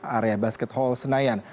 area basket hall senayan